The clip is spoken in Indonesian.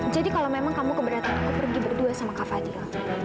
jadi kalau memang kamu keberatan aku pergi berdua sama kak fadil